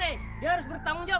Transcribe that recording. dia harus bertanggung jawab